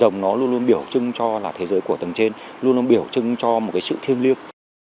nó luôn luôn biểu trưng cho là thế giới của tầng trên luôn luôn biểu trưng cho một sự thiêng liếc